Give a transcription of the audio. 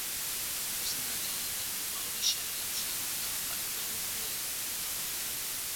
Zuzendariaren helburua horixe dela uste dut eta baita lortu ere!